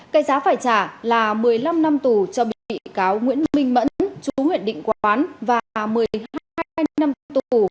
cây giá phải trả là một mươi năm năm tù cho bị cáo nguyễn minh mẫn chú huyện định quán và một mươi hai năm tù